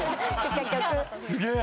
すげえ！